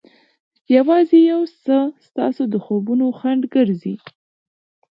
یوازې یو څه ستاسو د خوبونو خنډ ګرځي.